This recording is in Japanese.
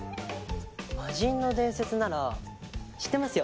魔人の伝説なら知ってますよ。